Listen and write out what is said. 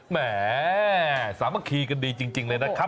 แหมสามัคคีกันดีจริงเลยนะครับ